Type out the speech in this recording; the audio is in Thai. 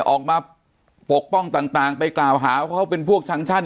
ออกมาปกป้องต่างไปกล่าวหาว่าเขาเป็นพวกชังชั่น